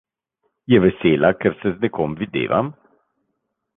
Je vesela, ker se z nekom videvam?